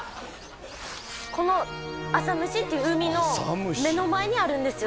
この浅虫っていう海の目の前にあるんですよ